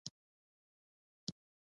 موږ به سبا هغې درې ته هم ورځو.